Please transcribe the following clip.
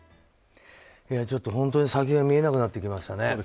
ちょっと先が見えなくなってきましたね。